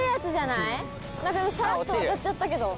今さらっと渡っちゃったけど。